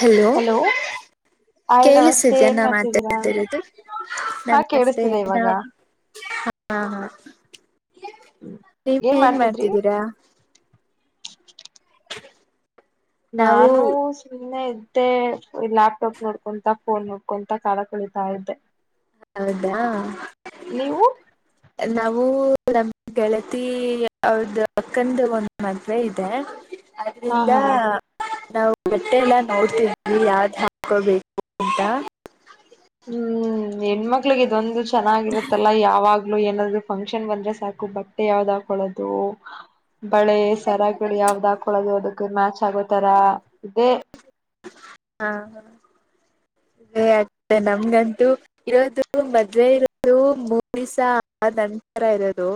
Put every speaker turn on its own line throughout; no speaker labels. Hello
hi ನಮಸ್ತೆ
ಕೇಳಿಸಿದ್ಯಾಯಾ
ಏನ್
ನಾ
ಮಾಡ್ತಿದ್ದೀರಾ
ಮಾತಾಡ್ತಿರೋದು
ಹಾ
ನಮಸ್ತೆ
ಕೇಳಿಸ್ತಿದೆ
ನಾ
ಇವಾಗ
ಹ ಹಾ ಹಾ ನೀವ ಏನ್ ಮಾಡ್ತಿದ್ದೀರಾ ನಾವು
ನಾನು ಸುಮ್ಮನೆ ಇದ್ದ ಮತ್ತೆ ಲ್ಯಾಪ್ಟಾಪ್ ನೋಡ್ಕೊಂತ ಫೋನ್ ನೋಡ್ಕೊಂತ ಕಾಲ ಕಳಿತಾ ಇದ್ದೆ
ಹೌದಾ
ನೀವು
ನಾವು ನಮ ಗೆಳತಿ ಅವ್ರ್ದ ಅಕ್ಕನ ಒಂದ್ ಮದುವೆ ಇದೆ
ಹಾ
ಅದ್ರಿಂದ
ಹಾ
ನಾವು ಬಟ್ಟೆಲ್ಲ ನೋಡ್ತಿದೀವಿ ಯಾವ್ದ್ ಹಾಕೋಬೇಕು ಅಂತ
ಹ್ಮ್ ಹೆಣ್ಮಕ್ಳಿಗೆ ಇದೊಂದು ಚೆನ್ನಾಗಿರತ್ತಲ್ಲ ಯಾವಾಗ ಏನಾದ್ರು ಫಂಕ್ಷನ್ ಬಂದ್ರೆ ಸಾಕು ಬಟ್ಟೆ ಯಾವ್ದ್ ಹಾಕೊಳ್ಳೋದು ಬಳೆ ಸರಗಳು ಯಾವ್ದ ಹಾಕಳೊದು ಅದಕ್ ಮ್ಯಾಚ್ ಆಗೋತರ ಇದೇ
ಹಾ ಸೆ ನಮ್ಗಂತೂ ಇರೋದು ಮದವೆ ಇರೋದು ಮೂರ ದಿವಸ ನಂತರ ಇರೋದು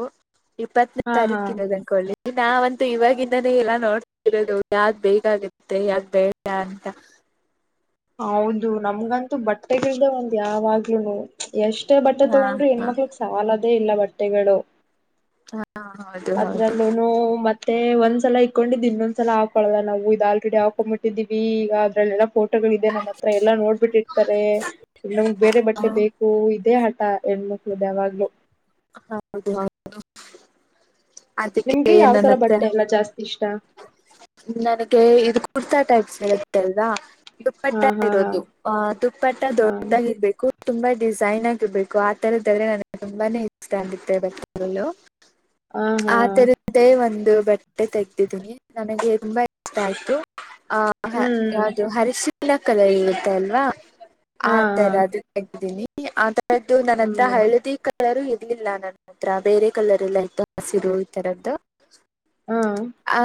ಇಪ್ಪತ್ತನೇ
ಹಾ ಹಾ
ತಾರೀಕ ಇರೋದು ನಾವಂತೂ ಇವಾಗಿಂದಾನೇ ಎಲ್ಲಾ ನೋಡ್ತಿರೋದು ಯಾವ್ದ್ ಬೇಕತ್ತ ಮತ್ತೆ ಯಾಕ ಬೇಡ ಅಂತಾ
ಹೌದು ನಮ್ಗಂತೂ ಬಟ್ಟೆಗಲ್ದೆ ಒಂದು ಯಾವಾಗ್ಲೂನು ಎಷ್ಟ [unintelligible] ಬಟ್ಟೆ
ಹಾ
ತಗೊಂಡ್ರೆ
ಹಾ
ಹೆಣ್ಮಕ್ಳಕ್ ಸಾಲೋದೇ ಇಲ್ಲ ಬಟ್ಟೆಗಳು
ಹಾ ಹೌದು ಹೌದು
ಅದ್ರಲ್ಲೂ ಮೆತ್ತೆ ಮತ್ತೆ ಒಂದ್ಸಲ ಇಕೊಂಡಿದ್ ಇನ್ನೊಂದ್ಸಲ ಹಾಕೊಳ್ಳಲ್ಲ ನಾವು ಇದ್ ಆಲ್ರೆಡಿ ಹಾಕೊಂಡ್ಬಿಟ್ಟಿದೀವಿ ಈಗ ಅದ್ರಲ್ಲ ಫೋಟೋಗಳ ಇದೆ ನಮ ಹತ್ರ ಎಲ್ಲಾ ನೋಡ್ಬಿಟ್ಟಿರ್ತಾರೆ ಇನ್ನ್ ಬೇರೆ ಬಟ್ಟೆ
ಹೌದು
ಬೇಕು ಹೂ ಇದೇ ಹಠ ಹೆಣ್ಮಕ್ಳು ದ ಯಾವಾಗ್ಲು
ಹೌದು ಅದಕ್ಕೆ
ನಿಮ್ಗೆ ಯಾವ್ ತರ
ನನ್ನ ಹತ್ರ
ಬಟ್ಟೆ ಎಲ್ಲಾ ಜಾಸ್ತಿ ಇಷ್ಟಾ
ನನಗೆ ಇದು ಕುರ್ತಾ ಟೈಪ್ಸ್ ಹೇಳುತ್ತೆ ಅಲ್ವಾ ದುಪ್ಪಟ್ಟ
ಹಾ ಹಾ
ಇರೋದು ಅಹ ದುಪ್ಪಟ್ಟ
ಹಾ
ದೊಡ್ಡಾಗಿರ್ಬೇಕು ತುಂಬಾ ಡಿಸೈನ್ ಆಗಿರ್ಬೇಕು ಆ ತರದ್ರೆ ನನಗೆ ತುಂಬಾನೇ ಇಷ್ಟ ಆಗಿತ್ತೆ [unintelligible]
ಹಾ ಹಾ ಹಾ
ಆ ತರದೇ ಒಂದು ಬಟ್ಟೆ ತೆಗ [unintelligible] ನನಗೆ ತುಂಬಾ ಇಷ್ಟ ಆಯ್ತು ಆ
ಹ್ಮ್
ಯ ಹಿ ಕಲ ಕಲರ್ ಇರತ್ತ ಅಲ್ವಾ ಆ
ಹಾ ಹಾ
ತರದ ಅದ ತಗ್ದೀನಿ ಆ ಅ [unintelligible] ನನ್ತ್ರ
ಹ್ಮ್
ಹಳದಿ ಕಲರು ಇರ್ಲಿಲ್ಲ ನನ್ನ ಹತ್ರ ಬೇರೆ ಕಲರ್ ಎಲ್ಲ ಇತು ಹಸಿರು ಈ ತರದ್ದು
ಹಾ
ಆ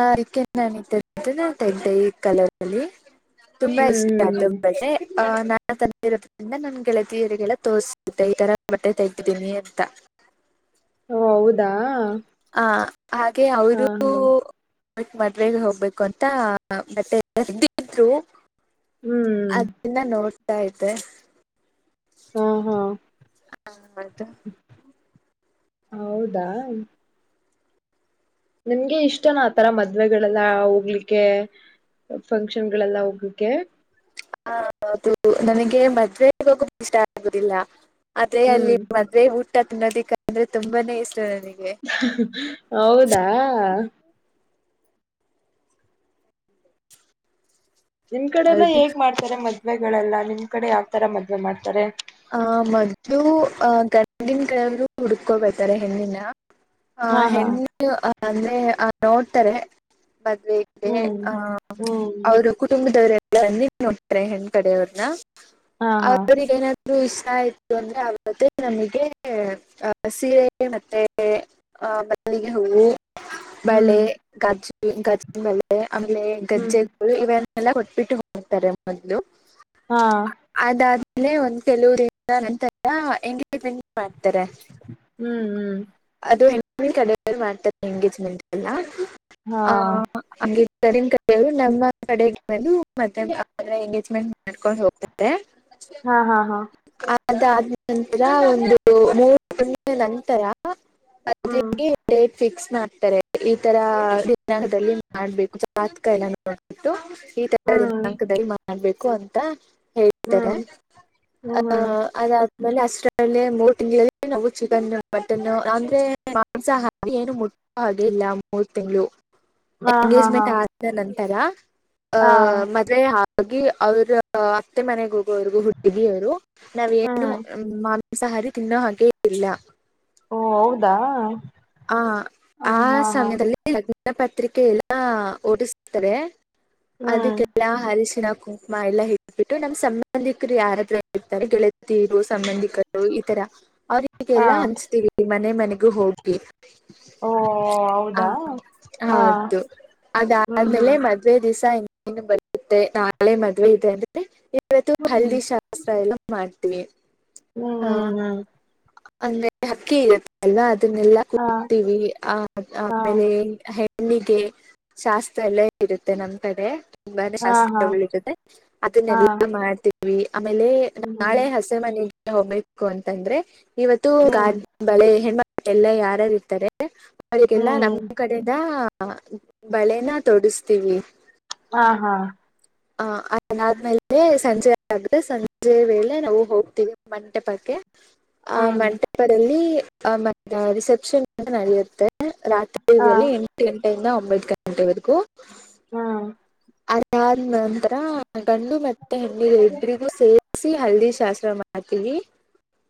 ನ ನ ಇದ್ದೆ ಈ ಕಲ ತುಂಬಾ
ಹ್ಮ್
ಇಷ್ಟ ನ
ಹ್ಮ್
[unintelligible] ನಾ ತಂದ ಇರೋದ್ರಿಂದ ನನ್ ಗೆಳತಿಯರಿಗೆಲ್ಲ ತೋರ್ಸಿದ್ದೆ ಈ ತರ ಬಟ್ಟೆ ತೆಗಿದ್ದೀನಿ ಅಂತ
ಹೌದಾ
ಹ ಹಾಗೆ
ಹಾ
ಅವರು
ಹಾ
ಕ್ ಮದುವೆಗೆ ಹೋಗ್ಬೇಕು ಅಂತ ಮತ್ತೆಿದ್ರು
ಹ್ಮ್
ಅದನ್ನ ನೋಡ್ತಾ ಇತೆ
ಹಾ ಹಾ
ಅದು
ಹೌದಾ ನಿಮ್ಗೆ ಇಷ್ಟನ ಆತರ ಮದ್ವೆಗಳೆಲ್ಲ ಹೋಗ್ಲಿಕ್ಕೆ ಫಂಕ್ಷನ್ ಗಳೆಲ್ಲ ಹೋಗ್ಲಿಕ್ಕೆ
ಹ ಹೌದು ನನಗೆ ಮದ್ುವೆ ಇವಾಗ ಇಷ್ಟ ಆಗುದಿಲ್ಲ ಆದೆ ಅಲ್ಲಿ
ಹ್ಮ್
[inaudible] ಅದೇ ಊಟ ತಿನ್ನೋದಕ್ಕೆ ಅಂದ್ರೆ ತುಂಬಾನೇ ಇಷ್ಟ ನನಗೆ
ಹೌದಾ ನಿಮ್ ಕಡೆ ಎಲ್ಲಾ
ಹೌದು
ಹೇಗ್ ಮಾಡ್ತಾರೆ ಮದ್ವೆಗಳೆಲ್ಲಾ ನಿಮ್ ಕಡೆ ಯಾವ್ತರ ಮದ್ವೆ ಮಾಡ್ತಾರೆ
ಆಹ ಮೊದಲು ಆ ಗಂಡಿನ ಕಳವರು ಹುಡ್ಕೊಬೇಕತಾರೆ ಹೆಣ್ಣಿನ ಆ
ಹಾ ಹಾ
ಹೆಣ್ಣ ಅಂದ್ರೆ ನೋಡ್ತಾರೆ ಮದ್ವೆ [inaudible] [unintelligible]
ಹ್ಮ್
ಆ
ಹ್ಮ್
ಅವರು ಕುಟುಂಬದವರೆಲ್ಲ ನೋಡ್ತಾರೆ ಹೆಣ್ ಕಡೆಯ ಅವ್ರನ್ನ
ಹಾ ಹಾ
ಅವ್ರಗ [inaudible] ಇಷ್ಟ ಆಯತು ಅಂದ್ರೆ ಅವ್ದೇ ನಮಗೆ ಆ ಸೀರೆ ಮತ್ತೆ [inaudible] ಆ ಬಲ್ಲಿಗೆ ಹೋಗಿ [inaudible] ಬಳೆ
ಹ್ಮ್
ಗ್ಜು ಗ್ಜಿನ ಬಳೆ ಆಮೇಲೆ
ಹ್ಮ್
ಗಜ್ಜೆಗಳು ಇವೆನ್ ಎಲ್ಲ ಕೊಟ್ಬಿಟ್ಟು ಹೋಗ್ತಾರೆ ಮೊದ್ಲು
ಹಾಂ
ಅದಾದಲಲೆ ಒಂದ್ ಕೆಲವರಿಂದ ನಂತರ ಎ ಮಾಡ್ತಾರೆ [inaudible]
ಹ್ಮ್ ಹ್ಮ್
ಅದು ಕ್ತದೆ ಎಂಗಜ್ಮೆಂಟ್ ಎ
ಹಾ
ಹಂಗರಿ ಕಡಗಳು ನಮ್ಮ ಕಡೆ ಮ ಮತ್ತೆ ಎಂಗೇಜ್ಮೆಂಟ್ ಮಾಡ್ಕೊಂಡು ಹೋಗ್ತಾರೆ [inaudible]
ಹಾ ಹಾ ಹಾ
ಅದಾದ ನಂತರ ಒಂದು ಮೂರು ನಂತರ [inaudible] ಅದ
ಹ್ಮ್
[inaudible] ಫಿಕ್ಸ್ ಮಾಡ್ತಾರೆ ಈ ತರ ದಿನದಲ್ಲಿ ಮಾಡ್ಬೇಕುಾತ್ ಕ ಎಲ್ಲ ನೋಬಿಟ್ಟು [inaudible] ಈ ತರ
ಹ್ಮ್
ದಿನಾಂಕ ದ ಮಾಡ್ಬೇಕು ಅಂತ ಹೇಳ್ತಾರೆ [inaudible]
ಹ್ಮ ಹ್ಮ
ಆ ಅದಾದ್ಮೇಲೆ ಹಸರಲ್ಲಿ ಮೂರು ತಿಂಡಿಲ್ಲಿ ನಾವು ಚಿಕನ್ ಮಟನ್ನು ಅಂದ್ರೆ ಸ ಹಾಗ ಏನು ಮುಟ್ಟುವ ಹಾಗೆ ಇಲ್ಲ ಮೂರ್ ತಿಂಗಳು
ಹಾ ಹಾ ಹಾ
ಎಂಗೇಜ್ಮೆಂಟ್ ಆದ ನಂತರ ಅ
ಹಾ
ಮ [inaudible] ಹಾಗೆ ಅವ್ರ ಅತ್ತೆ ಮನೆಗೆ ಹೋಗುವವ್ರಗು ಹು ದಿದಿಯರು ನಾವ್ ಏನು
ಹ್ಮ್
ಮಾಮಿಸ ಹಾರಿ ತಿನ್ನೋ ಹಾಗೆ ಇಲ್ಲ
ಓ ಹೌದಾ
ಹ
ಹ
ಆ
ಹಾ ಹಾ
ಸಮಯದಲ್ಲಿ ಲಗ್ನ ಪತ್ರಿಕೆ ಎಲ್ಲಾ ಓಡಿಸ್ತಾರೆ
ಹ್ಮ್
ಅದಕ್ಕೆಲ್ಲಾ ಅರಿಸಿನಕ ಮಾ ಎಲ್ಲ ಹಟ್ಬಿಟ್ಟು ನಮ್ ಸಂಬಂಧಿಕರು ಯಾರತ್ರ ಇರ್ತಾರೆ ಗೆಳತೀರು ಸಂಬಂಧಿಕರು ಈತರ ಅವ್ರ
ಹಾ
ಈೀಗೆಲ್ಲ ಅನ್ಸ್ತೀವಿ ಮನೆ ಮನೆಗೂ ಹೋಗಿ
ಓ
ಹ
ಹೌದಾ ಹಾ
ಹೌದು
ಹ್ಮ್
ಅದಾದ್ಮೇಲೆ
ಹ್ಮ್
ಮ ಮದ್ೆ ದಿವಸ ಇ ಬರುತ್ತೆ ನಾಳೆ ಮದ್ೆ ಇದೆ ಅಂದ್ರೆ ಇವತ್ತು
ಹ್ಮ್
ಹಿ ಸ ಎಲ್ಲ ಮಾಡ್ತೀವಿ
ಹ್ಮ್ ಹ್ಮ
ಆ
ಹ್ಮ
ಅಂದ್ರೆ ಹಕ್ಕಿ ಇರುತ್ತೆ ಅಲ್ವಾ ಅದನ್ನೆಲ್ಲ
ಹಾ
ಕುಡ್ತವಿ ಆ
ಹಾ
ಆಮೇಲೆ ಹೆಣ್ಣಿಗೆ ಶಾಸ್ತ್ರ ಎಲ್ಲ ಇರುತ್ತೆ ನಮ್ ಕಡೆ ತುಂಬಾನೇ
ಹಾ ಹಾ
ಶಾಸ್ತ್ರಗಳಿರುದೆ
ಹಾ
ಅದನ್ನೆಲ್ಲಾ ಮಾಡ್ತೀವಿ ಆಮೇಲೆ ನಾಳೆ
ಹ್ಮ್
ಹ ಮದುವೆ ಮನೆಗೆ ಹೋಗ್ಬೇಕು ಅಂತಂದ್ರೆ ಇವತ್ತು ಗ
ಹ್ಮ್
ಬಳೆ ಹೆಣ್ಮಳ ಎಲ್ಲ ಯಾರಾರು ಇರ್ಾರೆ ಅವರಿಗೆಲ್ಲಾ
ಹ್ಮ್
ನಮ್ಮ್ ಕಡೆಿಂದ ಬಳೆನ ತೊಡಿಸ್ತೀವಿ
ಹಾ ಹಾ
ಹ ಅಾದ್ಮೇಲೆ ಸಂಜೆ ಆಗದೆ ಸಂಜೆ ವೇಳೆ ನಾವು ಹೋಗ್ತೀವಿ ಮಂಟೆ ಪಕ್ಕೆ
[unintelligible]
ಆ್ ಮಂಟಪದಲ್ಲಿ ಆ ಮ ರಿಸೆಪ್ಷನ್ ಅಂತ ನಡೆಯುತ್ತೆ
ಹಾ
ರಾತ್ರಿದಲ್ಲಿ ಎಂಟು ಗಂಟೆಯಿಂದ ಒಂಬತ್ತು ಗಂಟೆವರೆಗೂ
ಹ್ಮ್
ಅದಾದ ನಂತರ ಗಂಡು ಮತ್ತೆ ಹೆಣ್ಣ ಇಬರಿಗೂ ಸೇರಿಸಿ ಹಲ್ದಿ ಶಾಸ್ತ್ರ ಮಾಡ ಮಾಡ್ತೀವಿ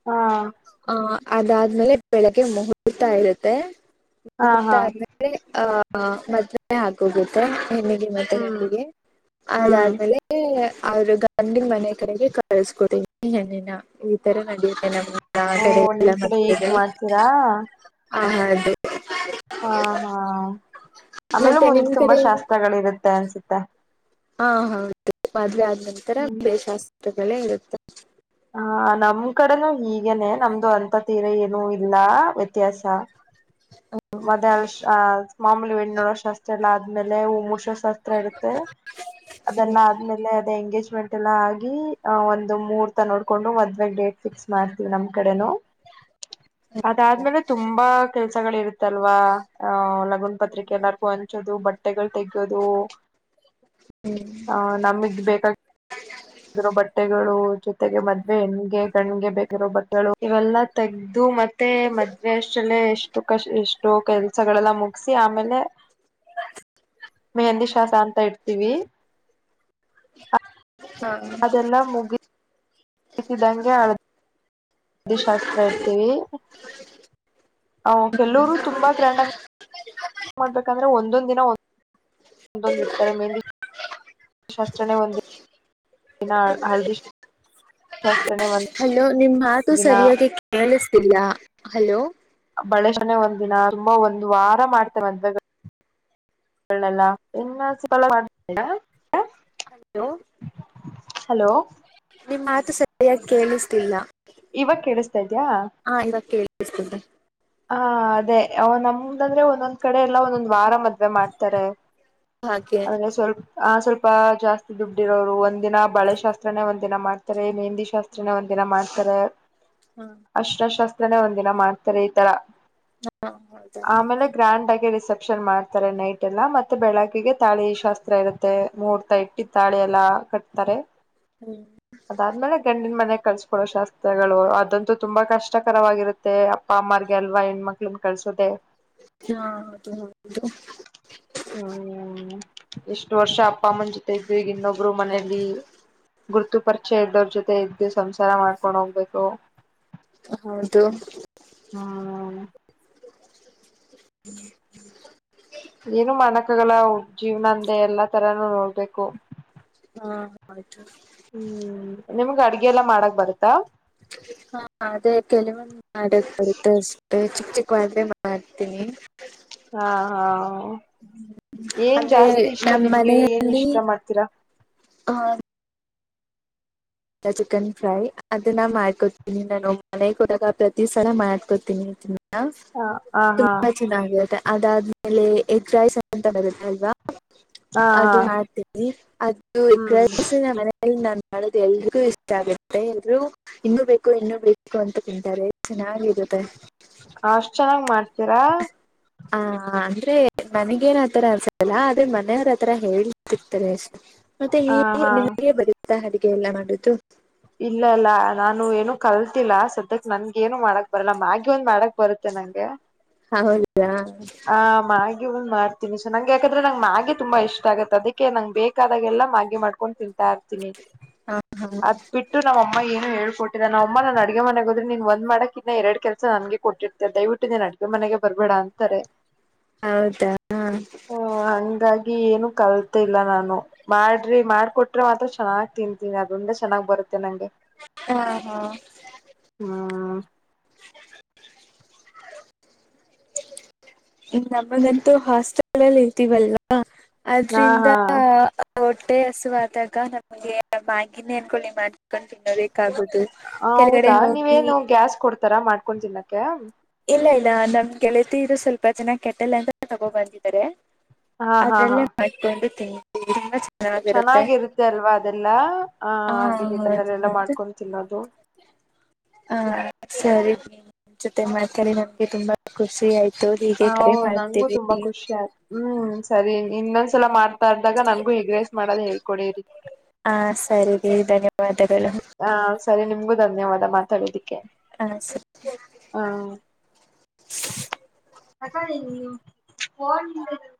ಹಾ
ಹ ಅದಾದ್ಮೇಲೆ ಬೆಳಗ್ಗೆ ಮುಹೂರ್ತ ಇರುತ್ತೆ
ಹಾ
ಮುಹೂರ್ತ
ಹಾ
ಆದ್ಮೇಲೆ ಆ ಮದ್ನೆ ಆಗೋಗುತ್ತೆ ಹೆ್ಣಿಗೆ ಮತ್ತೆ
ಹ್ಮ್
ಗಂಡಿಗೆ
ಹ್ಮ್
ಹೌದಾದ್ಮೇಲೆ ಅವ್ರ ಗಂಡಿ ಮನೆ ಕಡೆಗೆ ಕಳ್ಸ್ಕೊತ ಏನ ಈ ತರ ನಂಡತ ಆ
ಓ
ಕಡೆಲ್ಲ
ನಿಮ್ ಕಡೆ ಹೀಗ್
ಮಾಡತ
ಮಾಡ್ತೀರಾ
ಆ ಅದು
ಹಾ ಹಾ ಆಮೇಲೆ
ಮತ್ತೆ
ಮುಂದೆ
ನಿಮ್
ತುಂಬಾ
ಕಡೆ
ಶಾಸ್ತ್ರಗಳಿರುತ್ತೆ ಅನ್ಸುತ್ತೆ
ಹಾ ಹೌದು ಮದ್ವೆ ಆದ ನಂತರ
ಹ್ಮ್
ಬೇ ಶಾಸ್ತ್ರಗಳೇ ಇರುತ್ತೆ
ಹ ನಮ್ ಕಡೆನುೂ ಹೀಗನೆ ನಮ್ದು ಅಂತ ತೀರ ಏನುೂ ಇಲ್ಲ ವ್ಯತ್ಯಾಸ ಮದೆ ಅಲ್ ಮಾಮೂಲಿ ಎಣ್ಣ ನೋಡೋಷ್ಟ್ ಅಷ್ಟೆಲ್ಲ ಆದ್ಮೇಲೆ ಹೂವು ಮುಷ ಾಸ್ತ್ರ ಇರುತ್ತೆ ಅದೆಲ್ಲ
ಹ್ಮ್
ಆದ್ಮೇಲೆ ಎಂಗೇಜ್ಮೆಂಟ್ ಎಲ್ಲ ಆಗಿ್ ಒಂದು ಮೂರ್ ತ ನೋಡಕೊಂಡು ಮದ್ವೆ ಡೇಟ್ ಫಿಕ್ಸ್ ಮಾಡ್ತೀವಿ ನಮ್ ಕಡೆನು ಅದಾದ್ಮೇಲೆ ತುಂಬಾ ಕೆಲ್ಸಗಳಿ ಇರುತ್ತಲ್ವಾ ಅ ಲಗನ್ ಪತ್ರಿಕೆ ಎಲ್ಲಗೂ ಹಂಚೋದು ಬಟ್ಟೆಗಳು ತೆಗೆೋದು ನಮಗ್ ಬೇಕ ಿರೋ ಬಟ್ಟೆಗಳು ಜೊತೆಗೆ ಮದ್ವೆ ಹೆಣ್ಣಗೆ ಕಣ್ಗೆ ಬೇಕಿರೋ ಬಟ್ಟೆಗಳು ಇವೆಲ್ಲಾ ತೆಗ್ದು ಮತ್ತೆ ಮದ್ೆ ಅಷ್ಟಲ್ಲೇ ಎಷ್ಟು ಕ ಎಷ್ಟೋ ಕೆಲ್ಸ ಸಗಳೆಲ್ಲ ಮುಗಸಿ ಆಮೇಲೆ ಮೆಹಂದಿ ಶವಾಸ ಅಂತ ಇಡ್ತೀವಿ
ಹಾ
ಅದೆಲ್ಲ ಮು ಆತಿದ್ದಂಗೆ ಅಳ್ದ ವ ಶಾಸ್ತ್ರ ಇಡ್ತೀವಿ ಅವ ಕೆಲ್ಲರು ತುಂಬಾ ಗ್ರ್ಯಾಂಡ್ ಆ ಮಾಡಬೇಕಂದ್ರೆ ಒಂದೊಂದ ದಿನ ಒಂದೊಂದು ಇಡ್ತಾರೆ ಮೆಂದ ಶಾಸ್ತ್ರನೇ ಒಂದು ದಿನ ಹಳದಿ ಶಾಸ್ತ್ರ ಶಾಸ್ತ್ರೆ ಬಂದ
ಹಲೋ ನಿಮ್ ಮಾತು ಸರಿಯಾಗಿ ಕೇಳಿಸ್ತಿಲ್ಲ ಹಲೋ
ಬಳೇಶಾನೆ ಒಂದ್ ದಿನ ತುಂಬಾ ಒಂದ್ ವಾರ ಮಾಡ್ತೇವೆ ಮಂದ್ವೆ ಇ
ಹಲೋ
ಹಲೋ
ನಿಮ್ ಮಾತು ಸರಿಯಾಗಿ ಕೇಳಿಸ್ತಿಲ್ಲ
ಇವಾಗ ಕೇಳಿಸ್ತಾ ಇದ್ಯಾ
ಹಾ ಇವಾಗ ಕೇಳರ್ತೆ
ಹ ಅದೇ ನಮ್ದಂದ್ರೆ ಒಂದೊಂದ್ ಕಡೆ ಎಲ್ಲ ಒಂದೊಂದ್ ವಾರ ಮದೆ ಮಾಡ್ತಾರೆ
ಹಾಗೆ
ಅದನ್ನ ಸ್ವಲ್ಪ ಆ ಸ್ವಲ್ಪ ಜಾಸ್ತಿ ದುಡ್ಡಿರೋರು ಒಂದ ದಿನ ಬಳೆ ಶಾಸ್ತ್ರನೇ ಒಂದ ದಿನ ಮಾಡ್ತಾರೆ ಮೆಹಂದಿ ಶಾಸ್ತ್ರ ಒಂದಿನ ಮಾಡ್ತಾರೆ
ಹ್ಮ
ಅಷ್ಟಶಾಸ್ತ್ರನೇ ಒಂದಿನ ಮಾಡ್ತಾರೆ ಈ ತರ
ಹಾ ಹೌದ
ಆಮೇಲೆ ಗ್ರ್ಯಾಂಡ್ ಆಗಿ ರಿಸೆಪ್ಷನ್ ಮಾಡ್ತಾರೆ ನೈಟ್ ಎಲ್ಲ ಮತ್ತೆ ಬೆಳಗ್ ಗೆ ತಾಳಿ ಶಾಸ್ತ್ರ ಇರುತ್ತೆ ಮೂಹೂರ್ತ ಇಟ್ಟ ತಾಳೆ ಎಲ್ಲಾ ಕಟ್ತಾರೆ
ಹ್ಮ್
ಅದಾದ್ಮೇಲೆ ಗಂಡಿನ ಮನೆ ಕಳ್ಸ್ಕೊಡೋ ಶಾಸ್ತ್ರಗಳು ಅದಂತೂ ತುಂಬಾ ಕಷ್ಟಕರವಾಗಿರುತ್ತೆ ಅಪ್ಪಮ್ಮಾರ್ ಅಲ್ವ ಹೆಣ್ಮಕ್ಳನ್ ಕಳ್ಸದೆ
ಹಾದು ಹೌದು
ಹ್ಮ [unintelligible] ಎಷ್ಟು ವರ್ಷ ಅಪ್ಪ ಅಮ್ಮನ ಜೊತೆ ಇದ್ವಿ ಈಗ ಇನ್ನೊಬ್ರು ಮನಲಿ ಗುರ್ತು ಪರಿಚಯ ಇದ್ದವ್ರ ಜೊತೆ ಇದ್ದು ಸಂಸಾರ ಮಾಡ್ಕೊಂಡು ಹೋಗ್ಬೇಕು
ಹೌದು
ಹ್ಮ್
ಹ್ಮ
ಏನು ಮನಕಗಳ ಜೀವನ ಅಂದೆ ಎಲ್ಲಾ ತರಾನೂ ನೋಡ್ಬೇಕು
ಹಾ ಆಯ್ತು
ಹ್ಮ್ ನಿಮ್ಗ ಅಡ್ಗೆ ಎಲ್ಲಾ ಮಾಡಕ್ ಬರುತ್ತಾ
ಹಾ ಅದೇ ಕೆಲವು ಮಾಡಕ್ ಬರುತ್ತೆ ಅಷ್ಟೇ ಚಿಕ್ ಚಿಕ್ಕವಾಗೇ ಮಾಡ್ತೀನಿ
ಹಾ ಹಾ ಏನ್
ಅಂದ್ರೆ
ಜಾಸ್ತಿ ಇಷ್ಟ
ನಮ್
ನಿಮ್ಗೆ ಏನ್ ಇಷ್ಟ ಮಾಡ್ತೀರಾ
ಹಾ ಚಿಕನ್ ಫ್ರೈ ಅದನ್ನ ಮಾಡ್ಕೊತೀನಿ ನಾನು ಮನೆಗೆಳಗ ಪ್ರತಿ ಸಲ ಮಾಡ್ಕೊತೀನಿ
ಹ ಹ ಹಾ ಹಾ
ತುಂಬಾ ಚೆನ್ನಾಗಿರುತ್ತೆ ಅದಾದ್ಮೇಲೆ ಎಗ್ ರೈಸ್ಂತ ಬರುತ್ತೆ ಅಲ್ವಾ
ಹಾ
ಅದು ಮಾಡ್ತೀವಿ ಅದು
ಹ್ಮ್
ಮನ ನ ಎಲ್ರಿಗೂ ಇಷ್ಟ ಆಗುತ್ತೆ ಎರು ಇನ್ನುೂ ಬೇಕು ಇನ್ನುೂ ಬೇಕು ಅಂತ ತಿಂತಾರೆ ಚೆನ್ನಾಗಿರುತ್ತೆ
ಅಷ್ಟ ಚೆನ್ನಾಗ್ ಮಾಡ್ತೀರಾ
ಹ ಅಂದ್ರೆ ಮನಗೇನ್ ಆತರ ಅನ್ಸತಲ್ಲ ಆದ್ರೆ ಮನೆಯವ್ರ ಆತರ ಹೇಳಿ ಸಿಗ್ತಾರೆ ಅಷ್ಟೇ ಮತ್ತೆ
ಹ ಹಾ
ನಿಮಗೆ ಬರೀತಾ ಅಡಗೆ ಎಲ್ಲ ಮಾಡುದು
ಇಲ್ಲ ಇಲ್ಲ ನಾನು ಏನು ಕಲ್ ಗೊಲ್ಲ ಸದ್ಯಕ್ ನನ್ಗ ಏನು ಮಾಡಕ್ ಬರಲ್ಲ ಮ್ಯಾಗಿಿ ಒಂದ್ ಮಾಡಕ್ ಬರುತ್ತೆ ನಂಗೆ
ಹೌದಾ
ಆ ಮಾಗಿ ಒಂದ್ ಮಾಡ್ತೀನಿ ಸೊ ನಂಗೆ ಯಾಕಂದ್ರೆ ನಂ್ ಮಾಗಿೆ ತುಂಬಾ ಇಷ್ಟ ಆಗತ್ತೆ ಅದಕ್ಕೆ ನಂಗೆ ಬೇಕಾದಾಗೆಲ್ಲ ಮಾಗಿ ಮಾಡ್ಕೊಂಡು ತಿಂತಾ ಇರ್ತೀನಿ
ಹಾ ಹಾ
ಅದ್ ಬಿಟ್ಟು ನಮ್ಮ ಏನು ಹೇಳ್ಕೊಟ್ಟಿದ ನಮ್ಮ ನ ಅಗೆ ಮನೆಗೆೋದ್ರೆ ನೀನ್ ಒಂದ್ ಮಾಡಕ್ ಇನ್ನ ಎರಡ್ ಕೆಲಸ ನನ್ಗೆ ಕೊಟ್ಟ ದಯವಿಟ್ಟುಿನಿನ ಅಡುಗೆ ಮನೆಗೆ ಬರ್ಬೇಡ ಅಂತಾರೆ
ಹೌದಾ ಹ
ಹ ಹಂಗಾಗಿ ಏನು ಕಲ್ತಲ್ಲ ನಾನು ಮಾಡ್ರಿ ಮಾಡಕೊಟ್ರೆ ಮಾತ್ರ ಚೆನ್ನಾಗ್ ತಿಂತೀನಿ ಅದರಿಂದ ಚೆನ್ನಾಗ್ ಬರುತ್ತೆ ನಂಗೆ
ಹಾ ಹಾ
ಹ್ಮ
[unintelligible] ನಮಗಂತೂ ಹಾಸ್ಟೆಲ್ಲ್ಲಿ ಇರ್ತೀವಲ್ವಾ ಹ
ಹಾ
ಆದ್ರಿಂದ
ಹಾ
ಹೊಟ್ಟೆ ಹಸುವಾದಾಗ ನಮಗೆ ಬಾಗಿಿನ ಅನ್ಕೊಳ್ಳಿ ಮಾಡ ಕಕೊಂಡು ತಿನ್ನಬೇಕಾಗುದು ಕೆಳಗಡೆ
ಹೌದಾ
ಹೋಗಿ
ನೀವೇನು ಗ್ಯಾಸ್ ಕೊಡ್ತ್ ತೀರಾ ಮಾಡ್ಕೊಂಡ್ ತಿನ್ನೋಕೆ.
ಇಲ್ಲ ಇಲ್ಲ ನಮ್ ಗೆಳೆತಿ ಇದು ಸ್ವಲ್ಪ ಜನ ಕೆಟ್ಟಲ್ಲ ಅಂತಾ ತಗೋ ಬಂದಿದ್ದಾರೆ.
ಹಾ ಹಾ ಹಾ
ಅದಲ್ಲೇ ಮಾಡ್ಕೊಂಡು ತಿಂತು ಚೆನ್ನಾಗಿ
ಚೆನ್ನಾಗಿರುತ್ತೆ ಅಲ್ವಾ ಅದೆಲ್ಲ ಆ
ಹಾ
ಹಾಗಗೆ ಗಟಲ್ಲಲ್ಲ
ಹೌದು
ಎಲ್ಲಾ
ಹೌದು
ಮಾಡ್ಕೊತಿನ್ನೋ ಅದು
ಹಾ ಸರಿ ಮಾಡ್ಕಾರೆ ನಮ್ಗೆ ತುಂಬಾ ಖುಷಿ ಆಯ್ತು ಹೀಗೆ ಕರೆ ಮಾಡ್ತೀ ರಿ.
ಹುಷಾರ್ ಹ್ಮ್ ಸರಿ ಇನ್ನೊಂದ್ಸಲ ಮಾಡ್ತಾಾರ್ದಾಗ ನನ್ಗೆ ಹೆಗ್ರೈಸ್ ಮಾಡದ್ ಹೇಳ್ಕೊಡಿರಿ.
ಹಾ ಸರಿ ರಿ ಧನ್ಯವಾದಗಳು.
ಹಾ ಸರಿ ನಿಮ್ಗೂ ಧನ್ಯವಾದ ಮಾತಾಡೋದಿಕ್ಕೆ.
ಹಾ ಸರಿ
ಹಾ ಫೊನ್ [unintelligible]